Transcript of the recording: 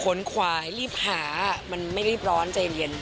ขนขวายรีบหาอะมันไม่รีบร้อนใจเลี้ยน